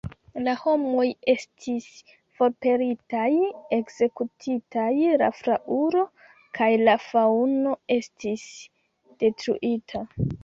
La homoj estis forpelitaj, ekzekutitaj; la flaŭro kaj la faŭno estis detruita.